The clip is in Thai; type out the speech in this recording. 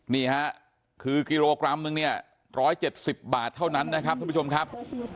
นี่ฮะคือกิโลกรัมนึงเนี่ย๑๗๐บาทเท่านั้นนะครับท่านผู้ชมครับ